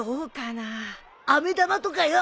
あめ玉とかよ。